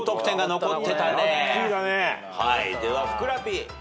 ではふくらＰ。